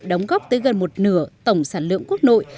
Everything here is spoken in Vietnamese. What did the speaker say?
đóng góp tới gần một nửa tổng sản lượng quốc nội